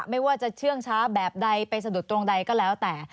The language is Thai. ไม่ว่าจะเชื่องช้าแบบใดไปสะดุดตรงใดก็แล้วแต่